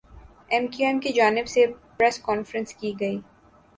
M Q M کی جانب سے پریس کانفرنس کی گئی